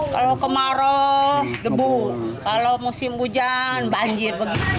kalau kemarau debu kalau musim hujan banjir